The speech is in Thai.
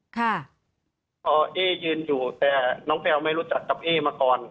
พอเอ๊ยืนอยู่แต่น้องแพลวไม่รู้จักกับเอ๊มาก่อน